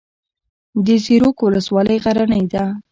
د زیروک ولسوالۍ غرنۍ ده